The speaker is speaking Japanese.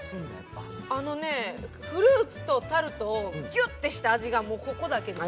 フルーツとタルトをギュッとした味がここだけで。